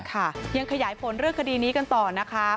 ค่ะยังขยายผลเรื่องคดีนี้กันต่อนะคะ